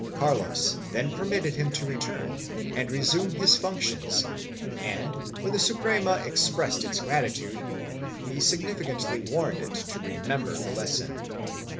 Carlos then permitted him to return and resume his functions and, when the Suprema expressed its gratitude, he significantly warned it to remember the lesson.